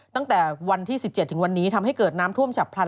ตั้งแต่วันที่๑๗ถึงวันนี้ทำให้เกิดน้ำท่วมฉับพลัน